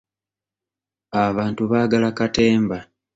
Abantu baagala katemba.